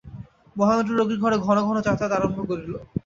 মহেন্দ্র রোগীর ঘরে ঘনঘন যাতায়াত আরম্ভ করিল।